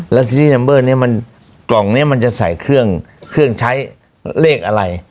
แต่ว่าซีรีส์นัมเบอร์กล่องนี้มันจะใส่เครื่องใช้เลขอะไร